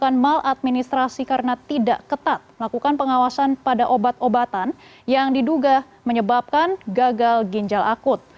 melakukan maladministrasi karena tidak ketat melakukan pengawasan pada obat obatan yang diduga menyebabkan gagal ginjal akut